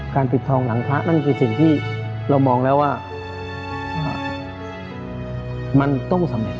ปิดทองหลังพระนั่นคือสิ่งที่เรามองแล้วว่ามันต้องสำเร็